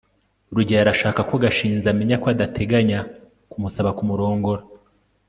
rugeyo arashaka ko gashinzi amenya ko adateganya kumusaba kumurongora